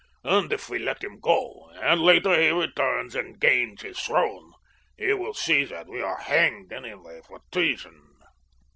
And if we let him go, and later he returns and gains his throne, he will see that we are hanged anyway for treason.